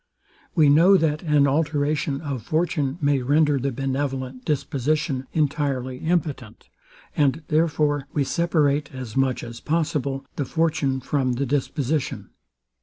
We know, that an alteration of fortune may render the benevolent disposition entirely impotent; and therefore we separate, as much as possible, the fortune from the disposition.